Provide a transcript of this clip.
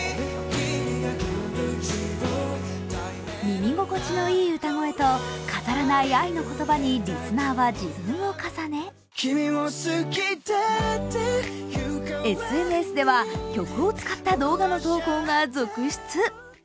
耳心地のいい歌声と飾らない愛の言葉にリスナーは自分を重ねＳＮＳでは、曲を使った動画の投稿が続出。